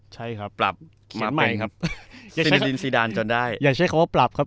ใช่ครับปรับมาเป็นสินินสิดานจนได้อย่าใช้คำว่าปรับครับ